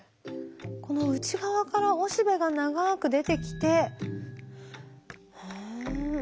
この内側からおしべが長く出てきて。